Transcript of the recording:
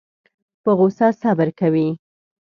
په غوسه صبر کوي.